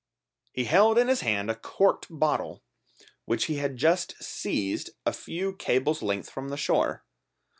He held in his hand a corked bottle which he had just seized a few cables' length from the shore.